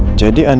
terus di preham